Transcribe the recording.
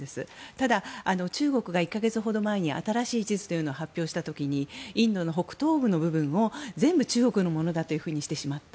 ただ、中国が１か月ほど前に新しい地図というのを発表した時にインドの北東部の部分を全部中国だとしてしまった。